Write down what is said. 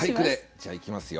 じゃあいきますよ。